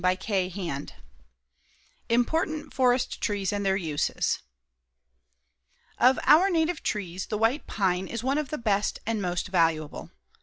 CHAPTER V IMPORTANT FOREST TREES AND THEIR USES Of our native trees, the white pine is one of the best and most valuable.